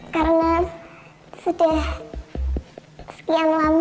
karena sudah sekian lama